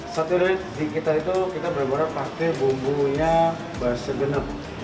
sate lilit kita itu kita berbara bara pakai bumbunya basa genep